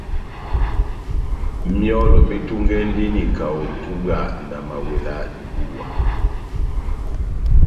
Myɔ́lɔ metungɛndini kaho itubwa na mawela dibuwa.